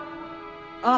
ああ